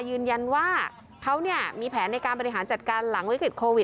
ยืนยันว่าเขามีแผนในการบริหารจัดการหลังวิกฤตโควิด